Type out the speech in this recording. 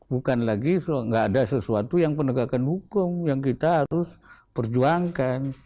bukan lagi nggak ada sesuatu yang penegakan hukum yang kita harus perjuangkan